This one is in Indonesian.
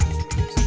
aku mau berbuncung